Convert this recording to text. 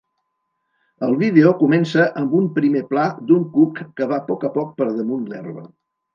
El vídeo comença amb un primer pla d'un cuc que va poc a poc per damunt l'herba.